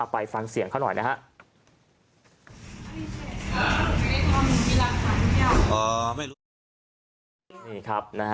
ไปฟังเสียงเขาหน่อยนะครับ